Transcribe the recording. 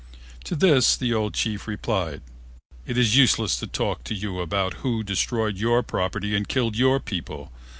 To this the old chief replied, "It is useless to talk to you about who destroyed your property and killed your people.